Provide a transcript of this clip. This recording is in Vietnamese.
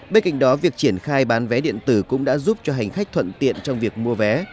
bên cạnh đó việc triển khai bán vé điện tử cũng đã giúp cho hành khách thuận tiện trong việc mua vé